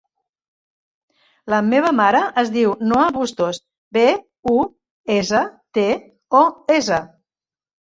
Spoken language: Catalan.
La meva mare es diu Noa Bustos: be, u, essa, te, o, essa.